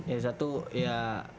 ya satu ya